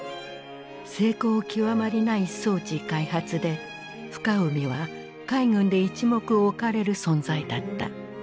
精巧極まりない装置開発で深海は海軍で一目置かれる存在だった。